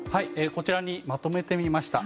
こちらにまとめてみました。